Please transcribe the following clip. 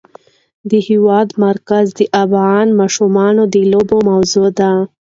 د هېواد مرکز د افغان ماشومانو د لوبو موضوع ده.